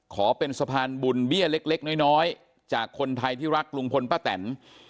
ขอเป็นสะพานบุญเบี้ยเล็กน้อยจากคนไทยที่รักลุงพลป้าแตน